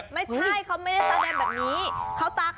ไม่ใช่เขาไม่ได้แสดงแบบนี้